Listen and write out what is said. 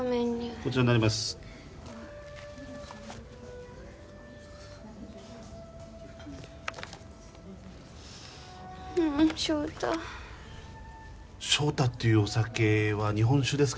こちらになりますうん翔太ショウタっていうお酒は日本酒ですか？